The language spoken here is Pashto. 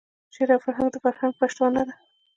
شعر او هنر د فرهنګ پشتوانه ده.